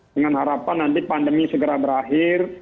dengan harapan nanti pandemi segera berakhir